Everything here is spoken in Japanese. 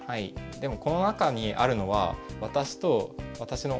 でもこの中にあるのは私と私の弟が大会で。